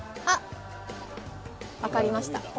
あっ分かりました